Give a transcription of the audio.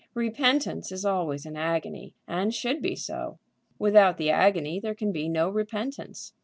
Repentance is always an agony, and should be so. Without the agony there can be no repentance.